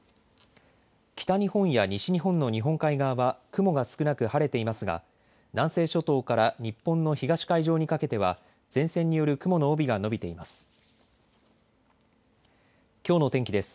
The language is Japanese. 北日本や西日本の日本海側は雲が少なく晴れていますが南西諸島から日本の東海上にかけては前線による雲の帯が延びています。